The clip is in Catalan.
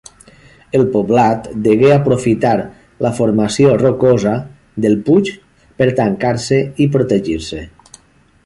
El poblat degué aprofitar la formació rocosa del puig per tancar-se i protegir-se.